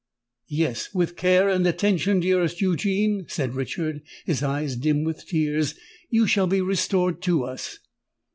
"Yes—with care and attention, dearest Eugene," said Richard, his eyes dimmed with tears, "you shall be restored to us."